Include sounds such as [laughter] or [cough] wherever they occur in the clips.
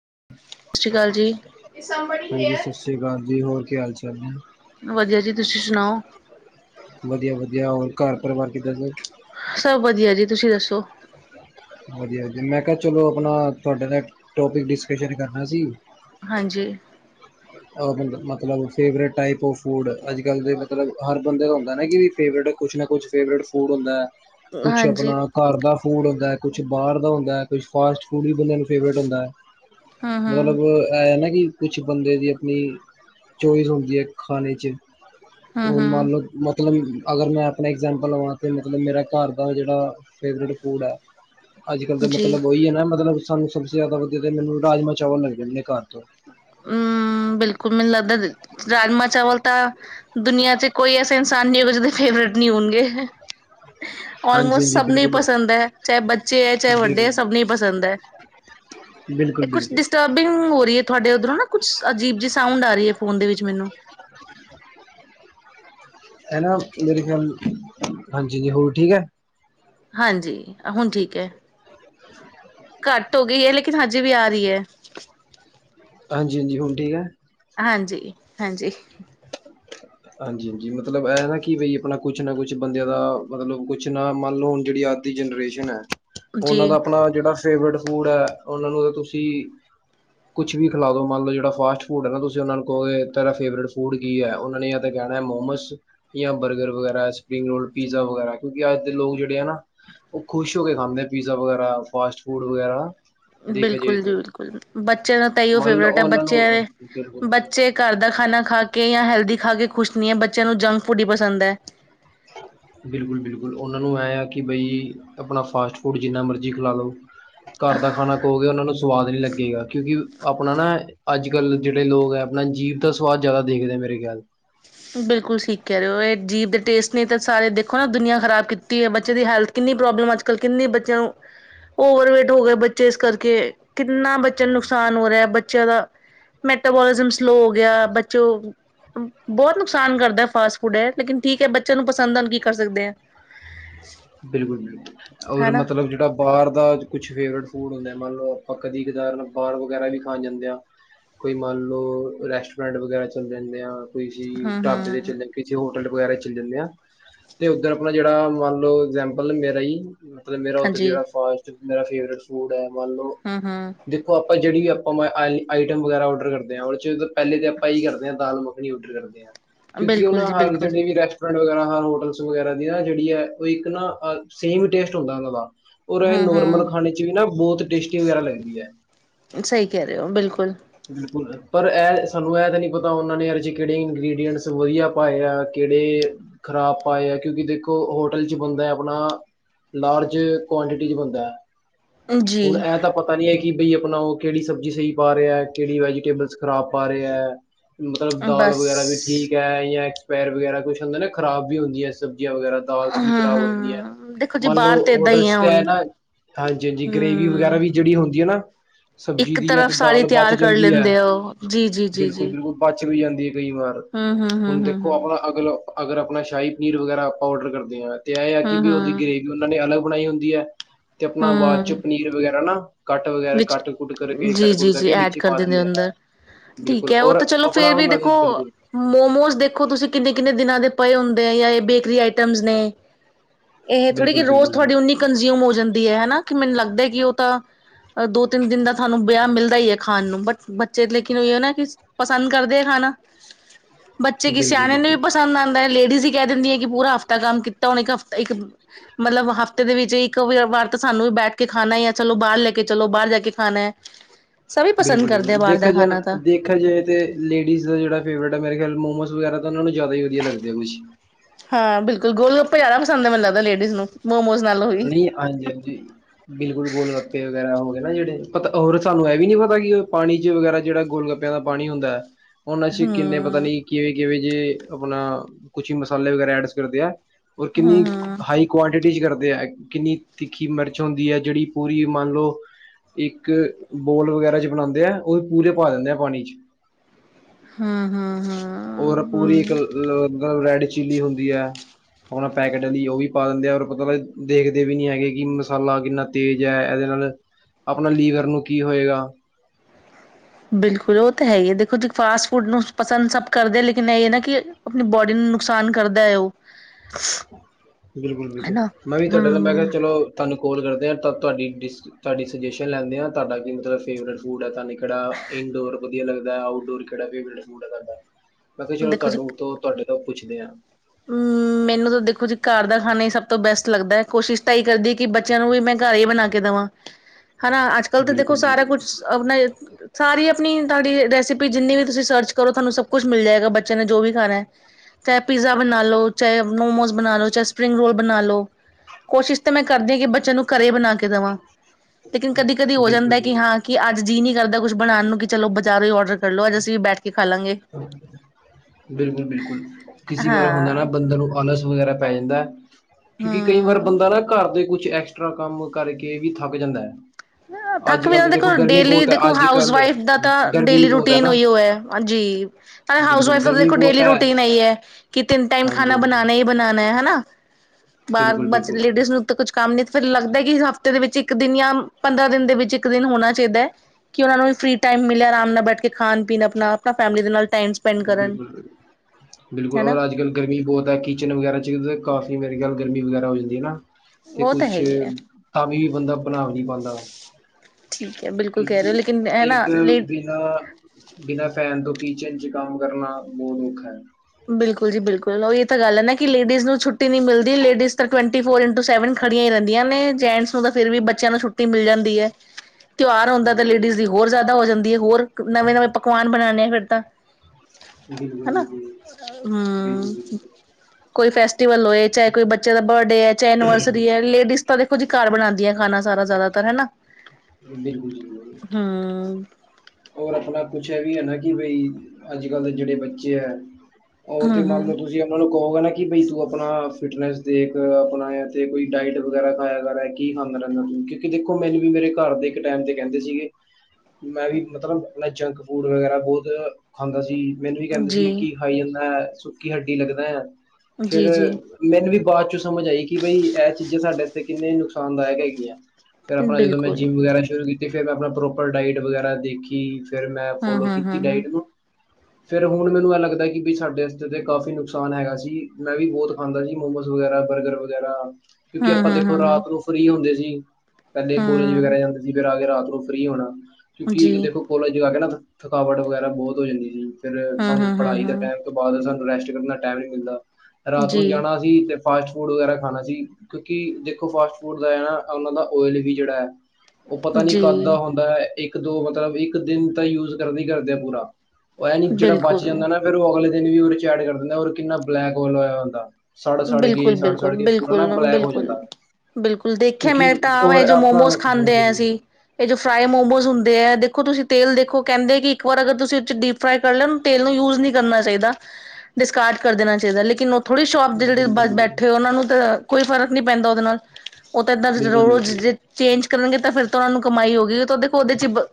[inaudible] ਸਸ ਸ੍ਰੀ ਕਾਲ ਜੀ ਹਾਂਜੀ ਸਤਿ ਸ੍ਰੀ ਅਕਾਲ ਜੀ ਹੋਰ ਕੀ ਹਾਲ ਚਾਲ ਨੇ ਵਧੀਆ ਜੀ। ਤੁਸੀਂ ਸੁਣਾਓ। ਵਧੀਆ-ਵਧੀਆ ਹੋਰ ਘਰ ਪਰ ਸਭ ਵਧੀਆ ਜੀ ਤੁਸੀਂ ਦੱਸੋ। ਵਧੀਆ ਜੀ ਮੈਂ ਕਿਹਾ ਚਲੋ ਆਪਣਾ ਤੁਹਾਡੇ ਨਲ ਟੋਪਿਕ ਡਿਸਕਸ਼ਨ ਕਰਨਾ ਸੀ। ਹਾਂਜੀ। ਆ ਮਤਲਬ ਫੇਵਰੇਟ ਟਾਈਪ ਆਫ ਫੂਡ ਅਜ ਕੱਲ੍ਹ ਦੇ ਮਤਲਬ ਹਰ ਬੰਦੇ ਦਾ ਹੁੰਦਾ ਕਿ ਫੇਵਰੇਟ ਕੁਛ ਨਾ ਕੁਛ ਫੇਵਰੇਟ ਫੂਡ ਹੁੰਦਾ ਹੈ ਕੁਛ ਹਾਂਜੀ ਆਪਣਾ ਘਰ ਦਾ ਫੂਡ ਹੁੰਦਾ ਕੁਛ ਬਾਹਰ ਦਾ ਹੁੰਦਾ, ਕੁਛ ਫਾਸਟ ਫੂਡ ਵੀ ਬੰਦੇ ਨੂੰ ਫੇਵਰੇਟ ਹੁੰਦਾ ਹੈ ਹੂੰ-ਹੂੰ, ਮਤਲਬ ਇਹ ਨਾ ਕਿ ਕੁਛ ਬੰਦੇ ਦੀ ਆਪਣੀ ਚੋਇਸ ਹੁੰਦੀ ਹੈ ਖਾਣੇ 'ਚ ਹੁਣ ਮੰਨ ਹੂੰ-ਹੂੰ ਲੋ ਮਤਵਲ ਅਗਰ ਮੈਂ ਆਪਣਾ ਅਗਜੈਂਪਲ ਲਵਾਂ ਤੇ ਮਤਲਬ ਮੇਰਾ ਘਰ ਦਾ ਜੇਹੜਾ ਫੇਵਰੇਟ ਫੂਡ ਏ। ਅੱਜ ਕੱਲ੍ਹ ਦਾ ਜੀ ਮਤਲਬ ਉਹੀ ਹੈ ਨਾ ਮਤਲਬ ਸਾਨੂੰ ਸਭਸੇ ਜ਼ਿਆਦਾ ਵਧੀਆ ਤੇ ਮੈਨੂੰ ਰਾਜਮਾ ਚਾਵਲ ਲੱਗਦੇ ਨੇ ਘਰ ਤੋਂ ਹਹ ਮ ਬਿਲਕੁਲ ਮੈਨੂੰ ਲੱਗਦਾ ਰਾਜਮਾਂ ਚਾਵਲ ਤਾਂ ਦੁਨੀਆਂ ਚ ਕੋਈ ਐਸਾ ਇਨਸਾਨ ਨਹੀਂ ਹੋਗਾ ਜਿਦੇ ਫੇਵਰੇਟ ਨਹੀਂ ਹੋਣਗੇ। ਹਾਂਜੀ ਆਲਮੋਸਟ ਹਾਂਜੀ ਸਭ ਨੂੰ ਬਿਲਕੁਲ ਪਸੰਦ ਹੈ ਚਾਹੇ ਬੱਚੇ ਹੈ ਚਾਹੇ ਵੱਡੇ ਬਿਲਕੁਲ ਹੈ ਸਭ ਨੂੰ ਪਸੰਦ ਹੈ। ਇਹ ਬਿਲਕੁਲ ਕੁੱਛ ਬਿਲਕੁਲ ਡਿਸਟਰਬਿੰਗ ਹੋ ਰਹੀ ਐ ਤੁਹਾਡੇ ਉਧਰੋਂ ਨਾ ਕੁਛ ਅਜੀਬ ਜਿਹੀ ਸਾਊਂਡ ਆ ਰਹੀ ਹੈ ਫੋਨ ਦੇ ਵਿੱਚ ਮੈਨੂੰ। ਐ ਨਾ ਮੇਰੇ ਖਿਆਲ, ਹਾਂਜੀ ਹੁਣ ਠੀਕ ਹੈ? ਹਾਂਜੀ ਹੁਣ ਠੀਕ ਐ। ਘੱਟ ਹੋ ਗਈ ਹੈ ਲੇਕਿਨ ਹਜੇ ਵੀ ਆ ਰਹੀ ਹੈ। ਹਾਂਜੀ ਹਾਂਜੀ ਹੁਣ ਠੀਕ ਹੈ? ਹਾਂਜੀ-ਹਾਂਜੀ। ਹਾਂਜੀ-ਹਾਂਜੀ ਮਤਲਬ ਇਹ ਨਾ ਕਿ ਬਈ ਆਪਣਾ ਕੁਛ ਨਾ ਕੁਛ ਬੰਦਿਆਂ ਦਾ ਮਤਲਬ ਕੁਛ ਨਾ ਮੰਨ ਲਓ ਜਿਹੜੀ ਇਹ ਅੱਜ ਦੀ ਜਨਰੇਸ਼ਨ ਹੈ ਉਹਨਾਂ ਦਾ ਜੀ। ਆਪਣਾ ਜਿਹੜਾ ਫੇਵਰੇਟ ਫੂਡ ਹੈ ਉਹਨਾਂ ਨੂੰ ਤਾਂ ਤੁਸੀਂ ਕੁਛ ਵੀ ਖਿਲਾ ਦੋ ਮੰਨ ਲਓ ਜਿਹੜਾ ਫਾਸਟ ਫੂਡ ਹੈ ਨਾ ਤੁਸੀਂ ਉਹਨਾਂ ਨੂੰ ਕਹੋਗੇ ਕਿ ਤੁਹਾਡਾ ਫੇਵ ਰਟ। ਫੂਡ ਕੀ ਹੈ ਉਹਨਾਂ ਨੇ ਯ ਤਾਂ ਕਹਿਣਾ ਮੋਮੋਸ ਜਾਂ ਬਰਗਰ ਵਗੈਰਾ ਸਪਰਿੰਗ ਰੋਲ ਪੀਜ਼ਾ ਵਗੈਰਾ ਕਿਉਂਕਿ ਅੱਜ ਦੇ ਲੋਕ ਜਿਹੜੇ ਆ ਨਾ ਉਹ ਖੁਸ਼ ਹੋ ਕੇ ਖਾਂਦੇ ਪੀਜ਼ਾ ਵਗੈਰਾ ਫਾਸਟ ਫੂਡ ਵਗੈਰਾ ਦੇਖਿਆ ਜਾਏ ਬਿਲਕੁਲ ਜੀ ਤੇ ਬਿਲਕੁਲ ਬੱਚਿਆਂ ਦਾ ਤਾਂ ਹੀਓ ਮੰਨ ਲਓ ਫੇਵਰੇਟ ਹੈ ਉਹਨਾਂ ਬੱਚੇ ਨੂੰ ਬਿਲਕੁਲ ਬੱਚੇ ਘਰ ਦਾ ਖਾਣਾ ਖਾ ਕੇ ਜਾਂ ਹੈਲਦੀ ਖਾ ਕੇ ਖੁਸ਼ ਨਹੀਂ ਹੈ ਬੱਚਿਆਂ ਨੂੰ ਜੰਕ ਫੂਡ ਹੀ ਪਸੰਦ ਹੈ। ਬਿਲਕੁਲ ਬਿਲਕੁਲ ਉਹਨਾਂ ਨੂੰ ਐਂ ਆ ਕਿ ਬਈ ਆਪਣਾ ਫਾਸਟ ਫੂਡ ਜਿੰਨਾ ਮਰਜ਼ੀ ਖਿਲਾ ਲਉ। ਘਰ ਦਾ ਖਾਣਾ ਖੋ ਕੇ ਉਹਨਾਂ ਨੂੰ ਸਵਾਦ ਨਹੀਂ ਲੱਗੇਗਾ ਕਿਉਂਕਿ ਆਪਣਾ ਨਾ ਅੱਜ ਕੱਲ੍ਹ ਜਿਹੜੇ ਲੋਕ ਹੈ ਆਪਣਾ ਜੀਭ ਦਾ ਸਵਾਦ ਜ਼ਿਆਦਾ ਦੇਖਦੇ ਨੇ ਮੇਰੀ ਗੱਲ ਬਿਲਕੁਲ ਠੀਕ ਕਹਿ ਰਹੇ ਹੋ ਇਹ ਜੀਭ ਦੇ ਟੇਸਟ ਨੇ ਤਾਂ ਸਾਰੇ ਦੇਖੋ ਨਾ ਦੁਨੀਆਂ ਖ਼ਰਾਬ ਕੀਤੀ ਹੈ ਬੱਚੇ ਦੀ ਹੈਲਥ ਕਿੰਨੀ ਪ੍ਰੋਬਲਮ ਅਜ ਕਲ੍ਹ ਕਿਨੇ ਬੱਚਿਆਂ ਨੂੰ। ਓਵਰਵੇਟ ਹੋ ਗਏ ਬੱਚੇ ਇਸ ਕਰਕੇ ਕਿੰਨਾ ਬੱਚਾ ਨੁਕਸਾਨ ਹੋ ਰਿਹਾ ਬੱਚਿਆਂ ਦਾ। ਮੈਟਾਬੋਲਿਜ਼ਮ ਸਲੋਅ ਹੋ ਗਿਆ ਬੱਚੋ- ਬਹੁਤ ਨੁਕਸਾਨ ਕਰਦਾ ਫਾਸਟ ਫੂਡ ਹੈ ਲੇਕਿਨ ਠੀਕ ਹੈ ਬੱਚੇ ਦਾ ਕੀ ਕਰ ਸਕਦੇ ਆ। ਬਿਲਕੁਲ ਬਿਲਕੁਲ ਔਰ ਹਨਾ। ਮਤਲਬ ਜਿਹੜਾ ਬਾਹਰ ਦਾ ਕੁਛ ਫੇਵਰੇਟ ਫੂਡ ਹੁੰਦਾ। ਮੰਨ ਲਓ ਆਪਾਂ ਕਦੀ ਕਦਾਰ ਨਾਲ ਬਾਹਰ ਵਗੈਰਾ ਵੀ ਖਾਣ ਜਾਂਦੇ ਹਾਂ। ਕੋਈ ਮੰਨ ਲਓ ਰੈਸਟੋਰੈਂਟ ਵਗੈਰਾ ਚੱਲ ਜਾਂਦੇ ਆ। ਕਿਸੇ ਢਾਬੇ ਤੇ ਹੂੰ-ਹੂੰ, ਚਲੇ ਕਿਸੇ ਹੋਟਲ ਵਗੈਰਾ ਚਲੇ ਜਾਂਦੇ ਆ ਤੇ ਉੱਧਰ ਆਪਣਾ ਜਿਹੜਾ ਮੰਨ ਲਓ ਇਗਜੈਂਪਲ ਮੇਰਾ ਹੀ ਮਤਲਬ ਮੇਰਾ ਉੱਧਰ ਹਾਂਜੀ, ਜਿਹੜਾ ਫਸਟ ਮੇਰਾ ਫੇਵਰੇਟ ਫੂਡ ਹੈ ਮੰਨ ਲਓ, ਹੂੰ-ਹੂੰ, ਦੇਖੋ ਆਪ ਆਪਾਂ ਜਿਹੜੀ ਵੀ ਆਪਾਂ ਆਈਟਮ ਵਗੈਰਾ ਔਡਰ ਕਰਦੇ ਹਾਂ ਉਹਦੇ 'ਚ ਤਾਂ ਪਹਿਲੇ ਤਾਂ ਆਪਾਂ ਇਹੀ ਕਰਦੇ ਹਾਂ ਦਾਲ ਮੱਖਣੀ ਔਡਰ ਕਰਦੇ ਹਾਂ ਕਿਉਂਕਿ ਉਹ ਬਿਲਕੁਲ ਨਾ ਜੀ ਹਰ ਬਿਲਕੁਲ। ਜਿਹੜੇ ਵੀ ਰੇਸ ਵਗੈਰਾ ਹੋਟਲ ਵਗੈਰਾ ਦੀਆਂ ਜਿਹੜੀ ਹੈ ਉਹ ਇੱਕ ਨਾ ਸੇਮ ਟੇਸਟ ਹੁੰਦਾ ਇਹਨਾਂ ਦਾ। ਔਰ ਇਹ ਨੋਰਮਲ ਹੂੰ-ਹੂੰ, ਖਾਣੇ 'ਚ ਵੀ ਨਾ ਬਹੁਤ ਟੇਸਟੀ ਵਗੈਰਾ ਲੱਗਦੀ ਹੈ। ਠੀਕ ਕਹਿ ਰਹੇ ਹੋ ਬਿਲਕੁਲ। ਬਿਲਕੁਲ ਪਰ ਇਹ ਸਾਨੂੰ ਇਹ ਤਾਂ ਨੀ ਪਤਾ ਉਹ ਨੇ ਅਜ ਕਿਹੜੇ ਇੰਗ੍ਰਡੀਅਂਟਸ ਵਧੀਆ ਪਾਏ ਆ। ਜਿਹੜੇ ਖ਼ਰਾਬ ਪਾਏ ਆ, ਕਿਉਂਕਿ ਦੇਖੋ ਹੋਟਲ ਚ ਬੜਦਾ ਆਪਣਾ ਲਾਰਜ ਕੁਆਂਨਟਿਟੀ 'ਚ ਬਣਦਾ ਹੈ। ਜੀ ਹੁਣ ਇਹ ਤਾਂ ਪਤਾ ਨਹੀਂ ਹੈ, ਕਿ ਕਿ ਬਈ ਆਪਣਾ ਔ ਕਿਹੜੀ ਸਬਜ਼ੀ ਸਹੀ ਪਾ ਰਿਹਾ ਹੈ, ਕਿਹੜੀ ਵੈਜੀਟੇਬਲਸ ਖ਼ਰਾਬ ਪਾ ਰਿਹਾ ਹੈ। ਮਤਲਬ ਦਾਲ ਬਸ ਵਗੈਰਾ ਵੀ ਠੀਕ ਹੈ, ਜਾਂ ਐਕਸਪਾਇਰ ਵਗੈਰਾ ਕੁਛ ਹੁੰਦਾ ਨਾ ਖ਼ਰਾਬ ਵੀ ਹੁੰਦੀ ਹੈ ਐਸ ਵਗੈਰਾ ਦਾਲਸ ਵੀ ਖ਼ਰਾਬ ਹੂੰ-ਹੂੰ, ਹੋ ਜਾਂਦੀ ਐ, ਦੇਖੋ ਜੀ ਮੰਨ ਲੋ ਬਾਹਰ ਤੇ ਏਦਾਂ ਹੋਟਲ ਹੀ ਚ ਆ ਤੇ ਐ ਹੁਣ ਹੈਨਾ, ਹਾਂਜੀ ਹਾਂਜੀ ਗ੍ਰੇਵੀ ਵਗੈਰਾ ਹੂੰ, ਵੀ ਜਿਹੜੀ ਹੁੰਦੀ ਹੈ ਨਾ ਸਬਜ਼ੀ ਇੱਕ ਦੀ ਐ, ਤਰਫ ਤੇ ਸਾਰੀ ਦਾਲ ਬਚ ਤਿਆਰ ਕਰ ਜਾਂਦੀ ਹੈ, ਲੈਂਦੇ ਆ ਉਹ ਬਿਲਕੁਲ ਜੀ-ਜੀ-ਜੀ-ਜੀ, ਬਿਲਕੁਲ ਬਚ ਵੀ ਜਾਂਦੀ ਹੈ, ਕਈ ਵਾਰ। ਪਰ, ਹੁਣ ਦੇਖੋ ਹੂੰ-ਹੂੰ-ਹੂੰ-ਹੂੰ-ਹੂੰ, ਹੂੰ-ਹੂੰ, ਆਪਣਾ ਅਗਲ ਅਗਰ ਆਪਣਾ ਸ਼ਾਹੀ ਪਨੀਰ ਵਗੈਰਾ ਆਪਾਂ ਔਡਰ ਕਰਦੇ ਆਂ, ਤੇ ਇਹ ਆ ਕਿ ਹੂੰ, ਹੂੰ ਹੂੰ ਹੂੰ ਹੂੰ ਵੀ ਔਦੀ ਹੂੰ ਹੂੰ ਗ੍ਰੇਵੀ ਔਹਨਾ ਨੇ ਅਲੱਗ ਬਣਾਈ ਹੁੰਦੀ ਹੈ, ਤੇ ਅਪਣਾ ਬਾਅਦ ਚ ਹੂੰ ਪਨੀਰ ਵਗੈਰਾ ਨਾ, ਕੱਟ ਵਗੈਰਾ, ਵਿੱਚ ਕੱਟ ਕੁੱਟ ਕਰਕੇ, ਕੱਟ ਕੁੱਟ ਜੀ-ਜੀ-ਜੀ ਕਰਕੇ ਐਡ ਵਿੱਚ ਈ ਕਰ ਪਾ ਦਿੰਦੇ ਐ। ਅੰਦਰ ਠੀਕ ਹੈ, ਔ ਤਾਂ ਚਲੋ ਫੇਰ ਵੀ ਦੇਖੋ, ਬਿਲਕੁਲ ਮੋਮੋਸ ਦੇਖੋ ਤੁਸੀਂ ਕਿੰਨੇ ਕਿੰਨੇ ਦਿਨਾਂ ਦੇ ਪਏ ਹੁੰਦੇ ਆ, ਜਾਂ ਇਹ ਬੇਕਰੀ ਆਈਟਮਸ ਨੇ, ਇਹ ਬਿਲਕੁਲ ਥੋੜੀ, ਰੋਜ਼ ਬਿਲਕੁਲ ਜੀ ਤੁਹਾਡੀ ਉਨੀ ਕੰਜ਼ਿਊਮ ਹੋ ਜਾਂਦੀ ਐ ਹੈਨਾ ਕਿ ਮੈਨੂੰ ਲੱਗਦਾ, ਕਿ ਔ ਤਾਂ ਦੋ ਤਿੰਨ ਦਿਨ ਦਾ ਤੁਹਾਨੂੰ ਬੇਆ ਮਿਲਦਾ ਹੀ ਹੈ, ਖ ਖਾਣ ਨੂੰ, ਬਟ ਬੱਚੇ ਲੇਕਿਨ ਔਹੀ ਔ ਨਾ ਕਿ, ਪਸੰਦ ਕਰਦੇ ਐ ਖਾਣਾ। ਬੱਚੇ ਕੀ, ਬਿਲਕੁਲ ਸਿਆਣੇ ਨੂੰ ਵੀ ਬਿਲਕੁਲ ਪਸੰਦ ਆਉਂਦਾ ਹੈ, ਲੇਡੀਜ਼ ਹੀ ਕਹਿ ਦਿੰਦੀ ਹੈ, ਕਿ ਪੂਰਾ ਹਫ਼ਤਾ ਕੰਮ ਕੀਤਾ ਤਾਂ ਹੁਣ ਇੱਕ ਹਫਤਾ ਇੱਕ, ਮਤਲਬ ਹਫ਼ਤੇ ਦੇ ਵਿੱਚ ਇੱਕ ਔ ਵੀ ਹੈ ਬਾਹਰ, ਤਾਂ ਸਾਨੂੰ ਵੀ ਬੈਠ ਕੇ ਖਾਣਾ ਆ, ਚਲੋ ਬਾਹਰ ਲੈ ਕੇ ਚਲੋ, ਬਾਹਰ ਜਾ ਕੇ ਖਾਣਾ ਹੈ। ਸਭੀ ਪਸੰਦ ਬਿਲਕੁਲ ਕਰਦੇ ਆ ਬਿਲਕੁਲ, ਬਾਹਰ ਦਾ ਦੇਖਿਆ ਜਾ ਖਾਣਾ ਤਾਂ ਦੇਖਿਆ ਜਾਏ ਤੇ ਲੇਡੀਜ਼ ਦਾ ਜਿਹੜਾ ਫੇਵਰੇਟ ਹੈ, ਮੇਰਾ ਖਿਆਲ ਮੋਮੋਸ ਵਗੈਰਾ, ਤਾਂ ਔਨਾਂ ਨੂੰ ਜ਼ਿਆਦਾ ਹੀ ਵਧੀਆ ਲੱਗਦੇ ਕੁਛ। ਜਾਦਾ ਪਸੰਦ ਐ ਮੈਨੂੰ ਲੱਗਦਾ, ਲੇਡੀਜ਼ ਨੂੰ। ਮੋਮੋਸ ਨਾਲੋਂ ਵੀ ਨਹੀਂ ਹਾਂਜੀ ਹਾਂਜੀ ਬਿਲਕੁਲ ਗੋਲ ਗੱਪੇ ਵਗੈਰਾ ਹੋ ਹੈ ਨਾ ਜਿਹੜੇ, ਪਤਾ ਹੋਰ ਸਾਨੂੰ ਇਹ ਵੀ ਨੀ ਪਤਾ ਕਿ ਪਾਣੀ ਚ ਵਗੈਰਾ, ਜਿਹੜਾ ਗੋਲ ਗੱਪਿਆਂ ਦਾ ਪਾਣੀ ਹੁੰਦਾ ਹੈ। ਹੁਣ ਅਸੀਂ ਕਿੰਨੇ ਪਤਾ ਹਮ ਨੀ, ਕਿਵੇਂ ਕਿਵੇਂ ਜੇ ਆਪਣਾ ਕੁਛ ਮਸਾਲੇ ਵਗੈਰਾ ਐਡ ਕਰਦੇ ਆ। ਔਰ ਕਿੰਨੀ ਹਮ ਹਮ ਹਾਈ ਕੁਆਂਨਟਿਟੀ ਚ ਕਰ ਤੇ ਐ ਕਿੰਨੀ ਤਿੱਖੀ ਮਿਰਚ ਹੁੰਦੀ ਹੈ, ਜਿਹੜੀ ਪੂਰੀ ਮੰਨ ਲੋ ਇੱਕ ਬੋਲ ਵਗੈਰਾ ਚ ਬਣਾਉਂਦੇ ਐ, ਔ ਵੀ ਪੂਰੇ ਪਾ ਦਿੰਦੇ ਐ ਪਾਣੀ ਚ। ਹਾਂ ਹਾਂ ਹਾਂ ਔਰ ਪੂਰੀ ਇੱਕ ਰੈਡ ਚਿੱਲੀ ਹੁੰਦੀ ਹੈ। ਆਪਣਾ ਪੈਕੇਟ ਲਈ ਔ ਵੀ ਪਾ ਦਿੰਦੇ ਐ, ਔਰ ਪਤਾ ਦੇਖਦੇ ਵੀ ਨੀ ਹੈਗੇ ਕਿ ਮਸਾਲਾ ਕਿੰਨਾ ਤੇਜ਼ ਹੈ, ਇਹਦੇ ਨਾਲ ਨਾਲ, ਆਪਣਾ ਲੀਵਰ ਨੂੰ ਕੀ ਹੋਏਗਾ। ਬਿਲਕੁਲ ਔ ਤਾਂ ਹੈ ਹੀ ਹੈ, ਦੇਖੋ ਜੀ ਫਾਸਟ ਫੂਡ ਨੂੰ ਪਸੰਦ ਸਭ ਕਰਦੇ, ਲੇਕਿਨ ਇਹ ਨਾ ਕਿ, ਆਪਣੀ ਬੋਡੀ ਨੂੰ ਨੁਕਸਾਨ ਕਰਦਾ ਹੈ, ਔ ਬਿਲਕੁਲ ਬਿਲਕੁਲ, ਮੈਂ ਵੀ ਤੁਹਾਡੇ ਨਾਲ ਮੈਂ ਕਿਹਾ ਚਲੋ ਤੁਹਾਨੂੰ ਕੋਲ ਕਰਦੇ ਆਂ, ਤਦ ਤੁਹਾਡੀ ਤੁਹਾਡੀ ਸੂਜੈਸ਼ਨ ਲੈਂਦੇ ਆ, ਤੁਹਾਡਾ ਕਿ ਮਤਲਬ ਫੇਵਰਟ ਫੂਡ ਐ, ਪਤਾ ਨੀ ਕੇੜਾ ਇੰਡੋਰ ਵਧੀਆ ਲੱਗਦਾ ਆਊਟਡੋਰ ਕੇੜਾ ਫ਼ੇਵਰੇਟ ਫੂਡ ਹੈਗਾ ਤੁਹਾਡਾ, ਮੈਂ ਕਿਹਾ ਚਲੋ ਤੁਹਾਂਨੂੰ, ਤੁਹਾਡੇ ਤੋਂ ਪੁੱਛਦੇ ਪੁੱਛਨੇ ਆ। ਹੂੰ, ਮੈਨੂੰ ਤਾਂ ਦੇਖੋ ਜੀ ਘਰ ਦਾ ਖਾਣਾ ਹੀ ਸਭ ਤੋਂ ਬੈਸਟ ਲੱਗਦਾ ਹੈ, ਕੋਸ਼ਿਸ਼ ਤਾਂ ਇ ਕਰਦੀ, ਕਿ ਬੱਚਿਆਂ ਨੂੰ ਵੀ ਮੈਂ ਘਰ ਹੀ ਬਣਾ ਕੇ ਦੇਵਾਂ। ਹੈਨਾ ਅੱਜ ਕੱਲ੍ਹ ਤਾਂ ਦੇਖੋ ਬਿਲਕੁਲ ਸਾਰਾ ਬਿਲਕੁਲ ਕੁਛ, ਆਪਣਾ ਸਾਰੀ ਆਪਣੀ ਤੁਹਾਡੀ ਰੈਸਪੀ ਜਿੰਨੀ ਵੀ ਤੁਸੀਂ ਸਰਚ ਕਰੋ, ਤੁਹਾਨੂੰ ਸਭ ਕੁਛ ਮਿਲ ਜਾਏਗਾ, ਬੱਚਿਆਂ ਨੇ ਜੋ ਵੀ ਖਾਣਾ ਹੈ, ਚਾਹੇ ਪੀਜ਼ਾ ਬਣਾ ਲੋ, ਚਾਹੇ ਮੋਮੋਸ ਬਣਾ ਲੋ, ਚਾਹੇ ਸਪਰਿੰਗ ਰੋਲ ਬਣਾ ਲੋ, ਕੋਸ਼ਿਸ਼ ਤਾਂ ਮੈਂ ਕਰਦੀ ਹਾਂ, ਕਿ ਬੱਚੇ ਬੱਚਿਆਂ ਨੂੰ ਘਰੇ ਹੀ ਬਣਾ ਕੇ ਦਵਾਂ, ਲੇਕਿਨ ਕਦੀ ਕਦੀ ਹੋ ਬਿਲਕੁਲ ਜਾਂਦਾ ਕਿ ਬਿਲਕੁਲ ਹਾਂ, ਕਿ ਅੱਜ ਜੀ ਨੀ ਕਰਦਾ ਕੁਛ ਬਣਾਉਣ ਨੂੰ, ਕਿ ਚਲੋ ਬਜ਼ਾਰੋਂ ਹੀ ਔਰਡਰ ਬਿਲਕੁਲ ਬਿਲਕੁਲ, ਕਿਸੇ ਕਈ ਵਾਰ ਹੁੰਦਾ ਹਾਂ, ਨਾ, ਬੰਦੇ ਨੂੰ ਆਲਸ ਵਗੈਰਾ ਪੈ ਜਾਂਦਾ ਐ, ਕਿਉਂਕਿ ਕਈ ਵਾਰ ਹੂੰ। ਬੰਦਾ ਨਾ, ਘਰ ਦੇ ਕੁਛ ਜੀ ਐਕਸਟਰਾ ਕੰਮ ਕਰਕੇ ਵੀ ਥੱਕ ਜਾਂਦਾ ਹੈ। ਥੱਕ ਅੱਜ ਵੀ ਕੱਲ੍ਹ ਜਾਂਦਾ, ਤਾਂ ਦੇਖੋ ਗਰਮੀ ਡੇਲੀ, ਬਹੁਤ ਹੈ ਦੇਖੋ ਅੱਜ ਹਾਊਸ ਕੱਲ੍ਹ ਵਾਈਫ ਦਾ ਤਾਂ ਗਰਮੀ ਵੀ ਡੇਲੀ ਬਹੁਤ ਹੈ ਰੂਟੀਨ ਨਾ ਔਹੀ ਹੋਯਾ, ਹਾਂਜੀ, ਅਰੇ ਹਾਉਸ ਬਿਲਕੁਲ ਵਾਈਫ ਕਾ ਤਾਂ ਗਰਮੀ ਦੇਖੋ ਬਹੁਤ ਡੇਲੀ ਹੈ ਰੂਟੀਨ ਏਹੀ ਹੈ, ਕਿ ਤਿੰਨ ਟਾਈਮ ਹਾਂਜੀ ਖਾਣਾ ਬਣਾ ਲੋ। ਹਾਂਜੀ ਨਹੀਂ ਬਣਾਣਾ ਐ, ਹੈਨਾ। [unintelligible] ਬਾਰ ਬਿਲਕੁਲ ਬਚ ਬਿਲਕੁਲ ਲੇਡੀਜ਼ ਨੂੰ ਤ ਕੁਝ ਕੰਮ ਨੀ, ਤ ਫੇਰ ਲੱਗਦੈ ਕਿ ਹਫ਼ਤੇ ਦੇ ਵਿੱਚ ਇੱਕ ਦਿਨ ਜਾਂ ਪੰਦਰਾਂ ਦਿਨ ਦੇ ਵਿੱਚ ਇੱਕ ਦਿਨ ਹੋਨਾ ਚਈਦੈ, ਕਿ ਓਨਾਂ ਨੂੰ ਫ੍ਰੀ ਟਾਈਮ ਮਿਲੈ ਆਰਾਮ ਨਾਲ ਬੈਠ ਕੇ ਖਾਨ, ਪੀਨ ਆਪਣਾ, ਆਪਣਾ ਫੈਮਲੀ ਦੇ ਨਾਲ ਟਾਈਮ ਸਪੈਂਡ ਬਿਲਕੁਲ, ਕਰਨ। ਬਿਲਕੁਲ। ਬਿਲਕੁਲ ਹਨਾ ਔਰ ਅੱਜ-ਕੱਲ ਗਰਮੀ ਬੋਤ ਐ, ਕੀਚਨ ਵਗੈਰਾ ਚ ਕਾਫੀ ਮੇਰੇ ਖੇਆਲ ਗਰਮੀ ਵਗੈਰਾ ਹੋ ਜਾਂਦੀ ਏ ਨਾ, ਤੇ ਉਹ ਤਾਂ ਹੈ ਕੁਛ ਹੀ ਹੈ ਤਾਂ ਵੀ ਬੰਦਾ ਬਣਾ ਨੀ ਪਾਂਦਾ। ਠੀਕ ਹੈ ਬਿਲਕੁਲ ਕਹਿ ਰਹੇ ਕੇਓਕਿ ਹੋ ਲੇਕਿਨ ਹੈ ਨਾ ਇੱਕ ਲੇ ਬਿਨਾਂ, ਬਿਨਾਂ ਫੈਨ ਤੋਂ ਕਿਚਨ ਚ ਕਾਮ ਕਰਨਾ ਬੋਤ ਓਖਾ ਏ। ਬਿਲਕੁਲ ਜੀ, ਬਿਲਕੁਲ [unintelligible] ਏ ਈ ਤਾਂ ਗੱਲ ਐ ਨਾ ਕਿ, ਲੇੜੀਜ਼ ਨੂੰ ਛੁੱਟੀ ਨਈ ਮਿਲਦੀ ਲੇੜੀਜ਼ ਤਾਂ ਟਵੈਂਟੀ ਫੋਰ ਇੰਨਟੂ ਸੈਵਨ ਖੜੀਆਂ ਈ ਰੈਂਦੀਆਂ ਨੇ ਜੈਂਟਸ ਨੂੰ ਤਾਂ ਫਿਰ ਵੀ ਬੱਚੇਆਂ ਨੂੰ ਛੁੱਟੀ ਮਿਲ ਜਾਂਦੀ ਏ। ਤੇਓਹਾਰ ਹੋਦਾ ਤਾਂ ਹਾਂਜੀ ਲੇੜੀਜ਼ ਦੀ ਹੋਰ ਜਾ਼ਦਾ ਹੋ ਜਾਂਦੀ ਏ ਹੋਰ, ਨਵੇਂ ਨਵੇਂ ਪਕਵਾਨ ਬਣਾਨੇ ਫਿਰ ਤਾਂ। [unintelligible] ਬਿਲਕੁਲ ਜੀ ਹੂੰ। ਬਿਲਕੁਲ ਕੋਈ ਫੈਸਟੀਵਲ ਹੋਏ, ਚਾਹੇ ਕੋਈ ਬੱਚੇ ਦਾ ਬਰਡੇ ਐ, ਚਾਏ ਐਨੀਵਰਸਰੀ ਐ ਲੇਡੀਜ਼ ਤਾਂ ਵੇ ਕੁੱਝ ਘਰ ਬਣਾਂਦੀਆਂ ਖਾਣਾ ਸਾਰਾ ਜਾ਼ਦਾਤਰ ਹਨਾ। ਬਿਲਕੁਲ ਜੀ ਬਿਲਕੁਲ, ਹਮ ਹੋਰ ਆਪਨਾ ਕੁਛ ਐ ਵੀ ਐ ਨਾ ਕਿ ਬਈ ਅੱਜ-ਕੱਲ ਦੇ ਜੇੜੇ ਬੱਚੇ ਐ, ਓ ਤੇ ਹਮ ਮੰਨ ਲੋ ਹਮ ਤੁਸੀਂ ਓਨਾਂ ਨੂੰ ਕਹੋਗੇ ਨਾ ਕਿ ਬੀ ਤੂੰ ਅਪਣਾ ਫਿਟਨੈਸ ਦੇਖ, ਯਾ ਆਪਣਾ ਯਾ ਜੇ ਕੋਈ ਡਾਈਟ ਵਗੈਰਾ ਖਾਏਆ ਕਰ ਐਕੀ ਖਾਂਨਾਂ ਰਹਿੰਦਾ ਤੂੰ, ਕਿਉਂਕਿ ਦੇਖੋ ਮੈਨੂੰ ਵੀ ਮੇਰੇ ਘਰ ਦੇ ਇੱਕ ਟਾਈਮ ਤੇ ਕਹਿੰਦੇ ਸੀਗੇ ਮੈਂ ਵੀ ਮਤਲਬ, ਮੈਂ ਜੰਕ ਫੂਡ ਵਗੈਰਾ ਬਹੁਤ ਖਾਂਦਾ ਸੀ। ਮੈਨੂੰ ਵੀ ਕਹਿੰਦੇ ਸੀ, ਜੀ ਕੀ ਖਾਈ ਜਾਂਦਾ ਹੈ ਸੁੱਕੀ ਹੱਡੀ ਲੱਗਦਾ ਐ, ਫੇਰ ਜੀ ਜੀ ਮੈਨੂੰ ਵੀ ਬਾਅਦ ਚ ਸਮਝ ਆਈ, ਕਿ ਬਈ ਇਹ ਚੀਜ਼ਾਂ ਸਾਡੇ ਆਸਤੇ ਕਿੰਨੇ ਨੁਕਸਾਨ ਦਾਇਕ ਹੈਗੀਆਂ, ਫੇਰ ਆਪਣਾ ਜਦੋਂ ਮੈਂ ਬਿਲਕੁਲ ਜਿੰਮ ਵਗੈਰਾ ਸ਼ੁਰੂ ਕੀਤੀ, ਫਿਰ ਮੈਂ ਆਪਣਾ ਪ੍ਰੋਪਰ ਡਾਇਟ ਵਗੈਰਾ ਦੇਖੀ, ਫਿਰ ਮੈਂ ਹੂੰ, ਫੋਲੋ ਹੂੰ, ਹੂੰ, ਕੀਤੀ ਹੂੰ, ਡਾਇਟ ਨੂੰ [unintelligible] ਫੇਰ ਹੁਣ ਮੈਨੂੰ ਇਹ ਲੱਗਦਾ, ਕਿ ਵੀ ਸਾਡੇ ਆਸਤੇ ਤੇ ਕਾਫੀ ਨੁਕਸਾਨ ਹੈਗਾ ਸੀ, ਮੈਂ ਵੀ ਬਹੁਤ ਖਾਂਦਾ ਸੀ ਮੋਮੋਸ ਵਗੈਰਾ ਬਰਗਰ ਵਗੈਰਾ। ਕਿਉਂਕਿ ਹੂੰ, ਆਪਾਂ ਦੇਖੋ ਹੂੰ, ਹੂੰ, ਹੂੰ, ਰਾਤ ਨੂੰ ਫ੍ਰਰੀ ਹੁੰਦੇ ਸੀ, ਪਹਿਲੇ ਕੋਲੇਜ ਵਗੈਰਾ ਹੂੰ, ਜਾਂਦੇ ਸੀ, ਫਿਰ ਆ ਕੇ ਰਾਤ ਫਰੀ ਹੋਣਾ, ਕਿਉਂਕਿ ਜੀ। ਇੱਕ ਦੇਖੋ ਕੋਲਜ ਆ ਕੇ ਨਾ ਥਕਾਵਟ ਵਗੈਰਾ ਬਹੁਤ ਹੋ ਜਾਂਦੀ ਸੀ। ਫਿਰ ਹੂੰ, ਸਾਨੂੰ ਹੂੰ, ਹੂੰ, ਪੜ੍ਹਾਈ ਦੇ ਟਾਈਮ ਹੂੰ, ਤੋਂ ਬਾਅਦ ਸਾਨੂੰ ਰੈਸਟ ਕਰਨ ਦਾ ਟਾਈਮ ਨਹੀਂ ਮਿਲਦਾ, ਰਾਤ ਨੂੰ ਜੀ, ਜਾਣਾ ਅਸੀ ਤੇ ਫਾਸਟ ਫੂਡ ਵਗੈਰਾ ਖਾਣਾ ਸੀ, ਕਿਉਂਕਿ ਦੇਖੋ ਫਾਸਟ ਫੂਡ ਦਾ ਹੈ ਨਾ ਉਹਨਾਂ ਦਾ ਓਇਲ ਹੀ ਜਿਹੜਾ ਹੈ ਉਹ ਪਤਾ ਨੀ ਜੀ, ਕੱਦਾ ਹੁੰਦਾ ਐ, ਇੱਕ ਦੋ ਮਤਲਬ ਇੱਕ ਦਿਨ ਤਾਂ ਯੂਜ ਕਰਨ ਹੀ ਕਰਦੇ ਆ ਪੂਰਾ। ਉਹ ਨੀ ਜਿਹੜਾ ਬੱਚ ਬਿਲਕੁਲ। ਜਾਂਦਾ ਨਾ, ਫਿਰ ਉਹ ਅਗਲੇ ਦਿਨ ਵੀ ਉਹਦੇ ਚ ਐਡ ਕਰ ਦਿੰਦਾ, ਔਰ ਕਿੰਨਾ ਬਲੈਕ ਹੋਲ ਹੋਇਆ ਹਦਾ। ਹੋ ਬਿਲਕੁਲ-ਬਿਲਕੁਲ-ਬਿਲਕੁਲ-ਬਿਲਕੁਲ। ਜਾਂਦਾ। ਬਿਲਕੁਲ ਦੇਖਿਆ, ਮੈਂ ਕਿਉਂਕਿ ਤਾਂ ਆ ਔਰ ਇਹ ਜੋ ਆਪਣਾ ਮੋਮੋਸ ਖਾਂਦੇ ਹਾਂਜੀ ਆ ਜੀ ਅਸੀਂ, ਇਹ ਜੋ ਫਰਾਈ ਮੋਮੋਸ ਹੁੰਦੇ ਐ, ਦੇਖੋ ਤੁਸੀਂ ਤੇਲ ਦੇਖੋ ਕਹਿੰਦੇ ਕਿ ਇੱਕ ਵਾਰ ਅਗਰ ਤੁਸੀਂ ਡੀਪ ਫਰਾਈ ਕਰ ਲਿਆਓ, ਤੇਲ ਨੂੰ ਯੂਜ ਨਹੀਂ ਕਰਨਾ ਚਾਹੀਦਾ। ਡਿਸਕਾਰਡ ਕਰ ਦੇਣਾ ਚਾਹੀਦਾਂ, ਲੇਕਿਨ ਉਹ ਥੋੜੀ ਜਿਹੜੇ ਬਸ ਬਿਲਕੁਲ ਬਿਲਕੁਲ ਬੈਠੇ ਆ, ਉਹਨਾਂ ਨੂੰ ਤਾਂ ਕੋਈ ਫਰਕ ਨਹੀਂ ਪੈਂਦਾ ਉਹਦੇ ਨਾਲ। ਉਹ ਤਾਂ ਏਦਾਂ ਬਿਲਕੁਲ ਰੋਜ਼ੇ ਜੇ ਚੇਂਜ ਕਰਨਗੇ, ਤਾਂ ਫਿਰ ਤਾਂ ਓਹਨੂੰ ਕਮਾਈ ਹੋਗੀ, ਉਹ ਤਾਂ ਦੇਖੋ ਓਦੇ ਚ' ਬ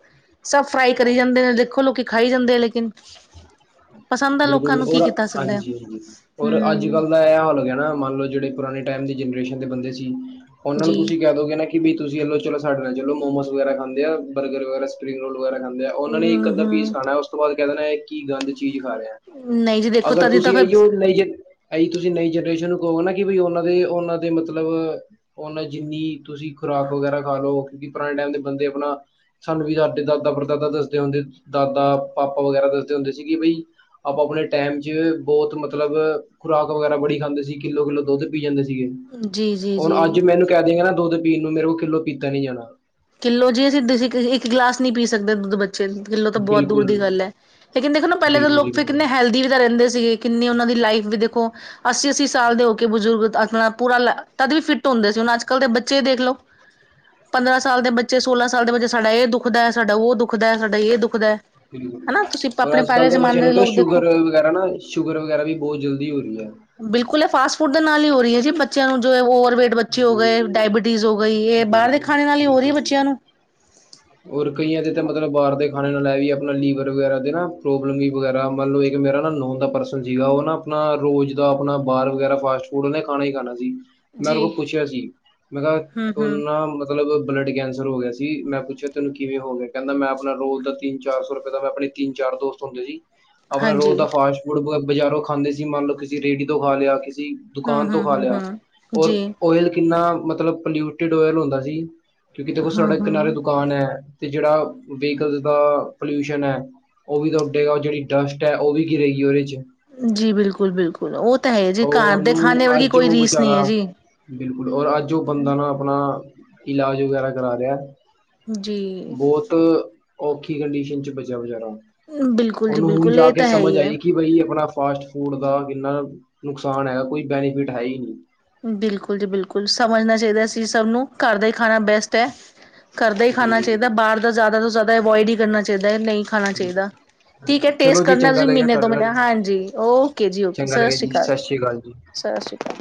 ਸਭ ਫਰਾਈ ਕਰੀ ਜਾਂਦੇ ਨੇ, ਦੇਖੋ ਲੋਕੀ ਖਾਈ ਜਾਂਦੇ ਆ ਲੇਕਿਨ। ਪਸੰਦ ਆ ਲੋਕਾਂ ਬਿਲਕੁਲ ਨੂੰ ਕੀ ਔਰ, ਕੀਤਾ ਸਕਦਾ ਹਾਂਜੀ-ਹਾਂਜੀ ਔਰ ਹਮ ਅੱਜ-ਕੱਲ ਦਾ ਇਹ ਹਾਲ ਹੋ ਗਿਆ ਮੰਨ ਲਓ, ਜਿਹੜੇ ਪੁਰਾਣੇ ਟਾਈਮ ਦੀ ਜਨਰੇਸ਼ਨ ਦੇ ਬੰਦੇ ਸੀ, ਉਹਨਾਂ ਨੂੰ ਜੀ ਤੁਸੀਂ ਕਹਿ ਦੋਗੇ ਨਾ ਕਿ ਵੀ ਤੁਸੀਂ ਲੋ ਸਾਡੇ ਨਾਲ ਚਲੋ ਮੋਮੋਸ ਵਗੈਰਾ ਖਾਂਦੇ ਆ ਬਰਗਰ ਵਗੈਰਾ, ਸਪਿੰਗ ਰੋਲ ਵਗੈਰਾ ਖਾਂਦੇ ਆ, ਉਹਨਾਂ ਨੇ ਇੱਕ ਹੂੰ ਅੱਧਾ ਪੀਸ ਹੂੰ ਖਾਣਾ, ਉਸ ਤੋਂ ਬਾਅਦ ਕਹਿ ਦੇਣਾ ਇਹ ਕੀ ਗੰਦ ਚੀਜ਼ ਖਾ ਰਿਹਾ, ਨਹੀਂ ਜੀ ਦੇਖੋ ਅਗਰ ਤਦੀ ਤਾਂ ਤੁਸੀਂ ਇਹੀਓ ਫਿਰ ਨੀ ਜ ਇਹੀ ਤੁਸੀਂ ਨਈ ਜਨਰੇਸ਼ਨ ਨੂੰ ਨਾ ਕਿ ਉਹਨਾਂ ਦੇ ਉਹਨਾਂ ਦੇ ਮਤਲਬ, ਉਹਨਾਂ ਜਿੰਨੀ ਤੁਸੀਂ ਖੁਰਾਕ ਵਗੈਰਾ ਖਾ ਲਓ ਪੁਰਾਣੇ ਟਾਈਮ ਦੇ ਬੰਦੇ ਆਪਣਾ ਸਾਨੂੰ ਵੀ ਸਾਡੇ ਦਾਦਾ ਪੜਦਾਦਾ ਦੱਸਦੇ ਹੁੰਦੇ, ਦਾਦਾ ਪਾਪਾ ਵਗੈਰਾ ਦੱਸਦੇ ਹੁੰਦੇ ਸੀਗੀ ਬਈ ਆਪਾਂ ਆਪਣੇ ਟਾਈਮ ਚ ਬਹੁਤ ਮਤਲਬ ਖੁਰਾਕ ਵਗੈਰਾ ਬੜੀ ਖਾਂਦੇ ਸੀ, ਕਿੱਲੋ ਕਿੱਲੋ ਦੁੱਧ ਪੀ ਜਾਂਦੇ ਸੀ। ਸੀਗੇ, ਜੀ ਜੀ ਹੁਣ ਜੀ ਅੱਜ ਮੈਨੂੰ ਕਹਿ ਦਿਆਂਗੇ ਨਾ ਦੁੱਧ ਪੀਣ ਨੂੰ, ਮੇਰੇ ਕੋਲ ਕਿਲੋ ਪੀਤਾ ਨੀ ਜਾਣਾ। ਕਿੱਲੋ ਜੇ ਤੁਸੀਂ ਇੱਕ ਗਲਾਸ ਨਹੀ ਪੀ ਸਕਦੇ ਦੁੱਧ ਬੱਚੇ। ਛੇ ਸੱਤ ਕਿੱਲੋ ਤਾਂ ਬਹੁਤ ਦੂਰ ਬਿਲਕੁਲ ਦੀ ਗੱਲ ਐ, ਲੇਕਿਨ ਦੇਖੋ ਨਾ ਪਹਿਲੇ ਤਾਂ ਬਿਲਕੁਲ ਲੋਕ ਜੀ ਫੇਰ ਬਿਲਕੁਲ ਕਿੰਨੇ ਹੈਲਦੀ ਵੀ ਤਾਂ ਰਹਿੰਦੇ ਸੀਗੇ, ਕਿੰਨੀ ਉਹਨਾਂ ਦੀ ਲਾਈਫ ਵੀ ਦੇਖੋ ਅੱਸੀ ਅੱਸੀ ਸਾਲ ਦੇ ਹੋ ਕੇ ਬਜ਼ੁਰਗ ਆਪਣਾ ਪੂਰਾ ਲਾ, ਤਦ ਵੀ ਫਿੱਟ ਹੁੰਦੇ ਸੀ, ਹੁਣ ਅੱਜ-ਕੱਲ ਦੇ ਬੱਚੇ ਦੇਖ ਲਓ, ਪੰਦਰਾਂ ਸ ਸਾਲ ਦੇ ਬੱਚੇ ਸੋਲਾਂ ਸਾਲ ਦੇ ਬੱਚੇ ਸਾਡਾ ਇਹ ਦੁੱਖਦੈ ਸਾਡਾ ਉਹ ਦੁੱਖਦੈ ਸਾਡਾ ਇਹ ਦੁੱਖਦੈ ਹੂੰ, ਪਰ ਅੱਜ-ਕੱਲ ਦੇ ਬੱਚਿਆਂ ਨੂੰ ਤਾਂ ਲੋਕ ਸ਼ੂਗਰ ਦੇਖੋ ਵਗੈਰਾ ਨਾ ਸ਼ੂਗਰ ਵਗੈਰਾ ਵੀ ਬਹੁਤ ਜਲਦੀ ਹੋ ਰਹੀ ਹੈ‌। ਬਿਲਕੁਲ ਇਹ ਫਾਸਟ ਫੂਡ ਦੇ ਨਾਲ ਹੀ ਹੋ ਰਹੀ ਐ ਜੀ, ਬੱਚਿਆਂ ਨੂੰ ਜੋ ਉਹ ਵਟ ਬੱਚੇ ਹੋ ਬਿਲਕੁਲ ਗਏ ਜੀ, ਡਾਇਬਿਟੀਜ਼ ਹੋ ਗਈ, ਇਹ ਬਿਲਕੁਲ, ਬਾਹਰ ਦੇ ਖਾਣੇ ਨਾਲ ਹੀ ਹੋ ਰਹੀ ਐ ਬੱਚਿਆਂ ਨੂੰ। ਹੋਰ ਕਈਆਂ ਦੇ ਤਾਂ ਮਤਲਬ ਬਾਹਰ ਦੇ ਖਾਣੇ ਨਾਲ ਲੈ ਵੀ ਆਪਣਾ ਲੀਵਰ ਵਗੈਰਾ ਦੇ ਨਾ ਪ੍ਰੋਬਲਮ ਵਗੈਰਾ ਮਤਲਬ ਇੱਕ ਮੇਰਾ ਨਾ ਨੋਨ ਦਾ ਪਰਸਨ ਸੀਗਾ, ਉਹ ਨਾ ਆਪਣਾ ਆਪਣਾ ਰੋਜ਼ ਦਾ ਆਪਣਾ ਬਾਹਰ ਵਗੈਰਾ ਫਾਸਟ ਫੂਡ ਉਹਨੇ ਖਾਣਾ ਹੀ ਖਾਣਾ ਸੀ। ਮੈਂ ਜੀ ਉਹਦੇ ਕੋਲ ਪੁੱਛਿਆ ਸੀ, ਮੈਂ ਕਿਹਾ ਹਮ ਹਮ ਉਹਨੂੰ ਨਾ ਮਤਲਬ ਬਲੱਡ ਕੈਂਸ ਰ ਹੋ ਗਿਆ ਸੀ, ਮੈਂ ਪੁੱਛਿਆ ਤੈਨੂੰ ਕਿਵੇਂ ਹੋ ਗਿਆ? ਕਹਿੰਦਾ ਮੈਂ ਆਪਣਾ ਰੋਜ਼ ਦਾ ਤਿੰਨ ਚਾਰ ਸੌ ਰੁਪਏ ਦਾ ਮੈਂ ਆਪਣੇ ਤਿੰਨ ਚਾਰ ਦੋਸਤ ਹੁੰਦੇ ਸੀ। ਆਪਣਾ ਰੋਜ਼ ਹਾਂਜੀ ਦਾ ਫਾਸਟ ਫੂਡ ਬਜ਼ਾਰੋਂ ਖਾਂਦੇ ਸੀ, ਮੰਨ ਲਓ ਕਿਸੀ ਰੇਹੜੀ ਤੋਂ ਖਾ ਲਿਆ, ਕਿਸੀ ਹਮ ਦੁਕਾਨ ਤੋਂ ਹਮ ਖਾ ਹਮ ਲਿਆ, ਹਮ ਜੀ ਔਰ ਓਇਲ ਕਿੰਨਾ ਮਤਲਬ ਪਲਿਊਟਿਡ ਓਇਲ ਹੁੰਦਾ ਸੀ। ਕਿਉਂਕਿ ਦੇਖੋ, ਹਮ ਸੜਕ ਕਿਨਾਰੇ ਹਮ ਦੁਕਾਨ ਐ, ਤੇ ਜਿਹੜਾ ਵਿਕਲ ਦਾ ਪੋਲਿਊਸ਼ਨ ਐ ਉਹ ਵੀ ਤਾਂ ਉਡੇਗਾ, ਉਹ ਜਿਹੜੀ ਡਸਟ ਐ ਉਹ ਵੀ ਗਿਰੇ ਗੀ ਉਹਦੇ ਚ'। ਜੀ ਬਿਲਕੁਲ-ਬਿਲਕੁਲ ਉਹ ਤਾਂ ਹੈ ਜੀ ਉਹ ਘਰ ਦੇ ਖਾਣੇ ਉਹਨੂੰ ਵਰਗੀ ਅੱਜ ਕੋਈ ਉਹ ਰੀਸ ਨਹੀਂ ਹੈ ਵਿਚਾਰਾ, ਜੀ ਬਿਲਕੁਲ ਔਰ ਅੱਜ ਉਹ ਹਨਾ ਬੰਦਾ ਨਾ ਆਪਣਾ ਇਲਾਜ ਵਗੈਰਾ ਕਰਾ ਲੇਆ। ਜੀ। ਔਖੀ ਕੰਡੀਸ਼ਨ ਚ ਬਚੇਯਾ ਬਚਾਰਾ, ਬਿਲਕੁਲ ਜੀ ਓਨੂੰ ਹੁਨ ਬਿਲਕੁਲ ਜਾ ਇਹ ਕੇ ਤਾਂ ਹੈ ਸਮਜ ਹੀ ਹੈ ਆਈ ਕਿ ਬਈ ਅਪਨਾ ਫਾਸਟ ਫੂਡ ਦਾ ਕਿੰਨਾ ਨੁਕਸਾਨ ਹੈਗਾ, ਕੋਈ ਬੈਨੀਫਿਟ ਹੈ ਹੀ ਨਹੀਂ। ਬਿਲਕੁਲ ਜੀ ਬਿਲਕੁਲ, ਸਮਜਨਾ ਚਈਦਾ ਸੀ ਸਬ ਨੂੰ ਘਰ ਦਾ ਈ ਖਾਣਾ ਬੈਸਟ ਐ। ਘਰਦਾ ਈ ਖਾਨਾ ਬਿਲਕੁਲ ਚਾਈਦਾ, ਬਿਲਕੁਲ ਬਾਰ ਦਾ ਜਾ਼ਦਾ ਤੋਂ ਜਾ਼ਦਾ ਐਵੋਇੜ ਈ ਕਰਨਾ ਚਾਈ ਨਈ, ਨਈ, ਖਾਣਾ ਬਿਲਕੁਲ। ਚਾਈਦਾ, ਠੀਕ ਐ ਹਾਂਜੀ ਟੇਸਟ ਚਲੋ ਜੀ ਕਰਨਾ ਚੰਗਾ ਤੁਸੀਂ ਲੱਗਿਆ ਮ੍ਹੀਨੇ ਦੋ ਤੁਹਾਡੇ ਮ੍ਹੀਨੇ ਨਾਲ ਹਾਂਜੀ, ਓਕੇ ਜੀ ਓਕੇ। ਚੰਗਾ ਲੱਗਿਆ ਸਸੀ ਜੀ ਕਾਲ, ਸਤਿ ਸ਼੍ਰੀ ਅਕਾਲ ਜੀ ਸਾਸ੍ਰੀ ਕਾਲ।